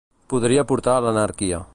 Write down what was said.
Podria portar a l’anarquia.